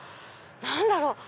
何だろう？